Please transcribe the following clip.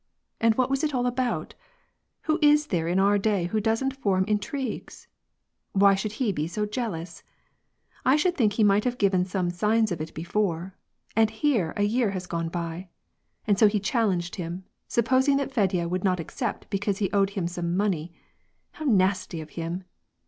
And what was it all about ? Who is there in our day who doesn't form intrigues ? Why should he be so jealous ? I should think he might have given some signs of it before, and here a year has gone by ! And so he challenged him, supposing that Fedya would not accept because he owed him some money. How nasty of him